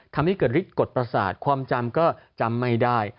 ทำให้เกิดฤทธิกฎประสาทความจำก็จำไม่ได้